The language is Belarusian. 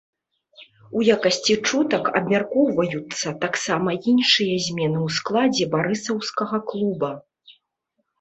У якасці чутак абмяркоўваюцца таксама іншыя змены ў складзе барысаўскага клуба.